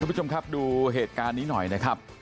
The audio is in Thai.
ผู้ชมครับดูเหตุการณ์นี้หน่อยนะครับ